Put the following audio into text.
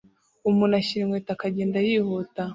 Umuntu ashyira inkweto akagenda yihuta